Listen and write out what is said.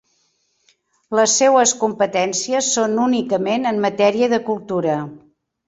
Les seues competències són únicament en matèria de cultura.